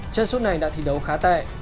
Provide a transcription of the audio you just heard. chân suốt này đã thi đấu khá tệ